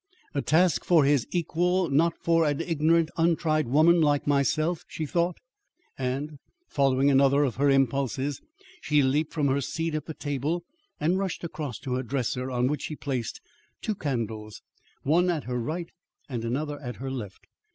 ] "A task for his equal, not for an ignorant, untried woman like myself," she thought; and, following another of her impulses, she leaped from her seat at the table and rushed across to her dresser on which she placed two candles, one at her right and another at her left.